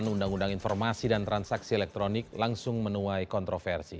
undang undang informasi dan transaksi elektronik langsung menuai kontroversi